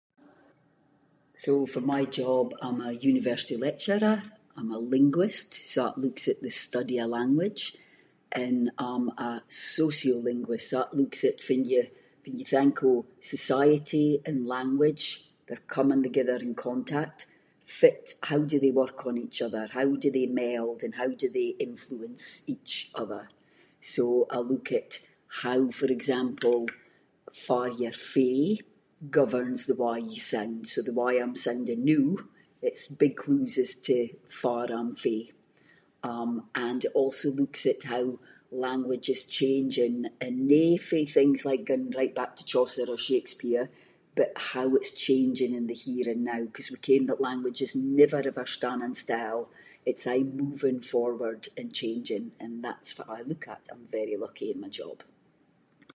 So, for my job I’m a university lecturer, I’m a linguist, so that looks at the study of language, and I’m a sociolinguist, so that looks at fann you- fann you think of society and language coming the-gither in contact, fitt, how do they work on each other, how do they meld, and how do they influence each other. So I look at, how, for example, farr you’re fae governs the way you sound, so the way I’m sounding noo, it’s big clues as to farr I’m fae, um, and also looks at how language is changing, and no fae things going right back to Chaucer or Shakespeare, but how it’s changing in the here and now, ‘cause we ken that language is never ever standing still, it’s aie moving forward and changing and that’s fitt I look at, I’m very lucky in my job.